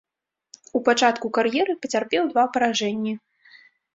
У пачатку кар'еры пацярпеў два паражэнні.